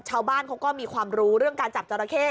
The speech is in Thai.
ชาวบ้านเขาก็มีความรู้เรื่องการจับจราเข้